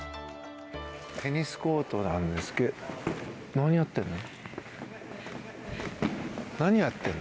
テニスコートなんですけど何をやっているの？